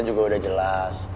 juga udah jelas